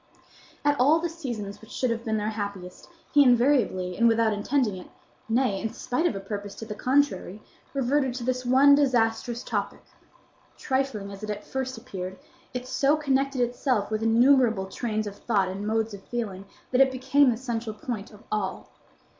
At all the seasons which should have been their happiest, he invariably and without intending it, nay, in spite of a purpose to the contrary, reverted to this one disastrous topic. Trifling as it at first appeared, it so connected itself with innumerable trains of thought and modes of feeling that it became the central point of all.